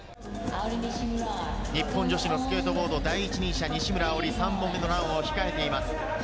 日本女子のスケートボード第一人者・西村碧莉、３本目のランを控えています。